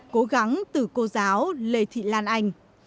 cố gắng từ cô giáo lê thị lan anh